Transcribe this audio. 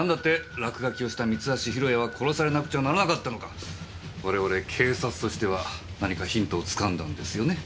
落書きをした三橋弘也は殺されなくちゃならなかったのか我々警察としては何かヒントをつかんだんですよね？